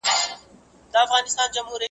دا وطن دی د رنځورو او خوږمنو .